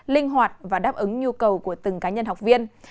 linh hoạt và đáp ứng nhu cầu của từng cá nhân học viên